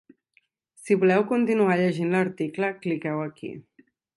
Si voleu continuar llegint l’article, cliqueu aquí.